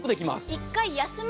１回休み。